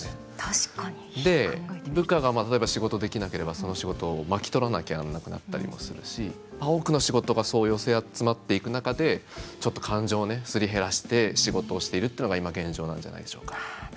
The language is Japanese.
部下が、例えば仕事できなければその仕事を巻き取らなきゃならなくなったりもするし多くの仕事が寄せ集まっていく中でちょっと感情をすり減らして仕事をしているというのが今、現状なんじゃないでしょうか。